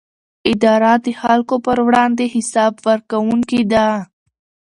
اداره د خلکو پر وړاندې حساب ورکوونکې ده.